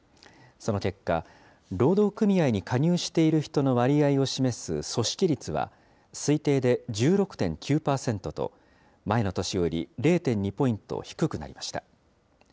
その結果、労働組合に加入している人の割合を示す組織率は、推定で１６．９％と、前の年より０．２ポイント低くなりました。